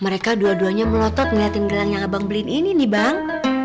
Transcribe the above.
mereka dua duanya melotot ngeliatin gelang yang abang blin ini nih bang